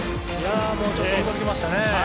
ちょっと驚きましたね。